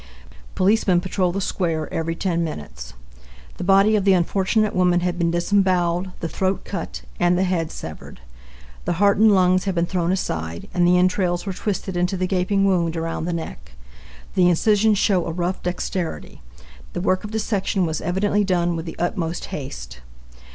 Policemen patrol the square every 10 minutes. The body of the unfortunate woman had been disembowled, the throat cut, and the (head?) severed. The heart and lungs had been thrown aside, and the entrails were twisted into the gaping wound around the neck. The incisions show a rough dexterity. The work of dissection was evidently done with the upmost haste.